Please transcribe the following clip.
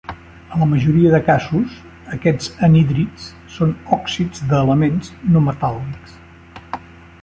A la majoria de casos, aquests anhídrids són òxids d'elements no metàl·lics.